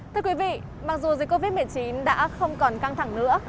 thưa quý vị mặc dù dịch covid một mươi chín đã không còn căng thẳng nữa